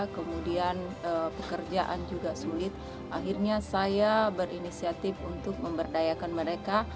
kemudian pekerjaan juga sulit akhirnya saya berinisiatif untuk memberdayakan mereka